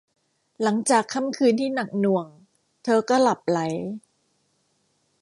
หลังจากค่ำคืนที่หนักหน่วง เธอก็หลับใหล